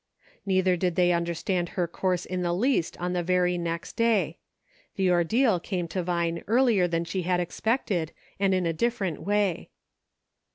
Neither did they understand her course in the least on the very next day. The ordeal came to "I WILL. lOI Vine earlier than she had expected, and in a differ ent way.